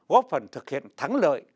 góp phần thực hiện thắng lợi